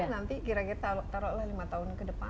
nanti kira kira taruhlah lima tahun ke depan